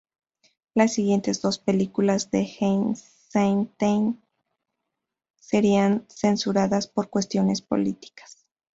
Las siguientes dos películas de Eisenstein serían censuradas por cuestiones políticas.